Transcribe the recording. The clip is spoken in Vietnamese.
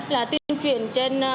là tuyên truyền trên